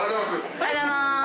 ・おはようございます。